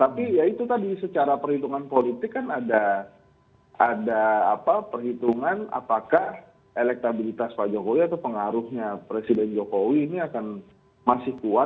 tapi ya itu tadi secara perhitungan politik kan ada perhitungan apakah elektabilitas pak jokowi atau pengaruhnya presiden jokowi ini akan masih kuat